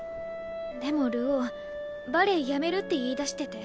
でも流鶯バレエやめるって言いだしてて。